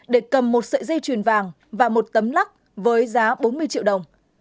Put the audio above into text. để cầm một sợi dây chuyền vàng và một tấm lắc với giá bốn mươi triệu đồng